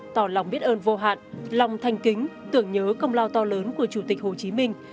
tỏ lòng biết ơn vô hạn lòng thanh kính tưởng nhớ công lao to lớn của chủ tịch hồ chí minh